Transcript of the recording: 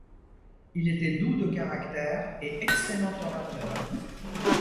Il était doux de caractère et excellent orateur.